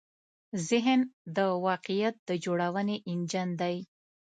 ذهن د واقعیت د جوړونې انجن دی.